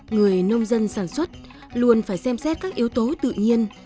người nông dân sản xuất luôn phải xem xét các yếu tố tự nhiên